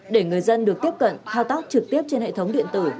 để người dân được tiếp cận thao tác trực tiếp trên hệ thống điện tử